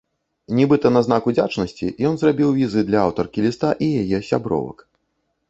Нібыта на знак удзячнасці ён зрабіў візы для аўтаркі ліста і яе сябровак.